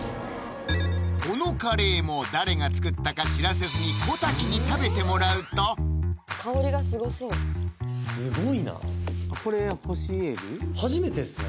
このカレーも誰が作ったか知らせずに小瀧に食べてもらうと香りがスゴそう初めてですね